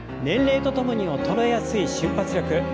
年齢とともに衰えやすい瞬発力。